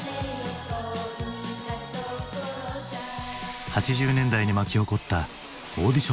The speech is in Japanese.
８０年代に巻き起こったオーディションブーム。